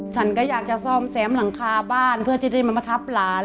ฉันก็อยากจะซ่อมแซมหลังคาบ้านเพื่อที่จะได้มาทับหลาน